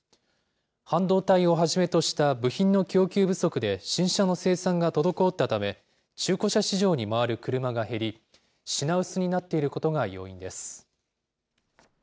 半導体をはじめとした部品の供給不足で新車の生産が滞ったため、中古車市場に回る車が減り、品薄になっていることが要因です。